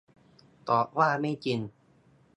ตอบว่า ไม่จริง